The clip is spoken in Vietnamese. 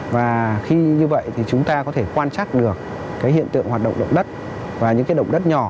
và khi như vậy thì chúng ta có thể quan trắc được cái hiện tượng hoạt động động đất và những cái động đất nhỏ